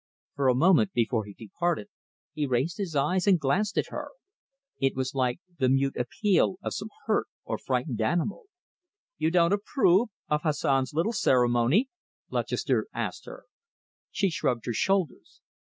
For a moment before he departed, he raised his eyes and glanced at her. It was like the mute appeal of some hurt or frightened animal. "You don't approve of Hassan's little ceremony?" Lutchester asked her. She shrugged her shoulders.